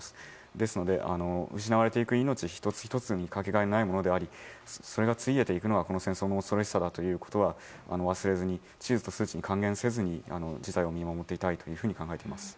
ですので失われていく命１つ１つかけがえのないものでありそれが失われるのがこの戦争の恐ろしさだということは忘れずに地図と数値に還元せずに事態を見守っていきたいと思います。